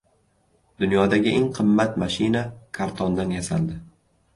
Dunyodagi eng qimmat mashina kartondan yasaldi